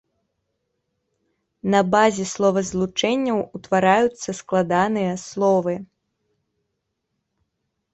На базе словазлучэнняў утвараюцца складаныя словы.